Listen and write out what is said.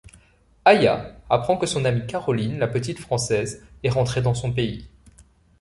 Aya apprend que son amie Caroline, la petite Française, est rentrée dans son pays.